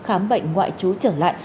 khám bệnh ngoại trú trở lại